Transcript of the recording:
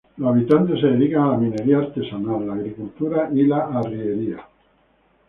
Los habitantes se dedican a la minería artesanal, la agricultura y la arriería.